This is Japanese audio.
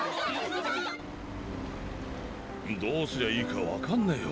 どうすりゃいいか分かんねえよ